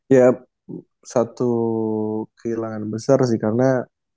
ya satu kehilangan besar sih karena